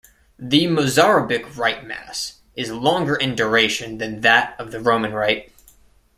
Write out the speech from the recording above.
The Mozarabic Rite Mass is longer in duration than that of the Roman Rite.